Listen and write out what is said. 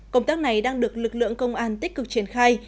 công tác này đang được lực lượng công an tích cực triển khai